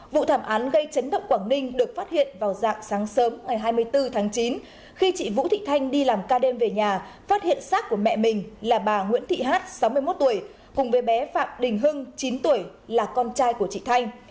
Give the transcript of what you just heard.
vụ thảm án gây chấn động quảng ninh được phát hiện vào dạng sáng sớm ngày hai mươi bốn tháng chín khi chị vũ thị thanh đi làm ca đêm về nhà phát hiện xác của mẹ mình là bà nguyễn thị hát sáu mươi một tuổi cùng với bé phạm đình hưng chín tuổi là con trai của chị thanh